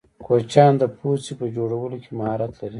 کوچیان د پوڅې په جوړولو کی مهارت لرې.